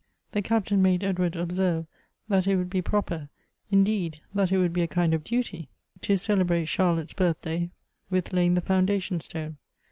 The Captain made Edw.ard observe that it would be proper, indeed that it would be a kind of duty, to celebrate Charlotte's birthday with laying the foundation stone.